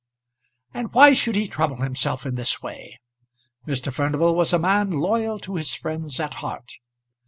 And why should he trouble himself in this way? Mr. Furnival was a man loyal to his friends at heart.